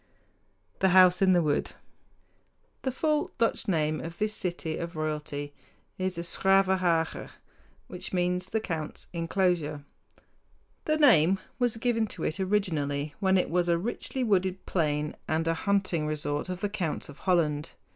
THE HOUSE IN THE WOOD The full Dutch name of this city of royalty is 's Graven Hage ('s grah´ fen hah´ ge), which means "the count's inclosure." The name was given to it originally when it was a richly wooded plain and a hunting resort of the counts of Holland.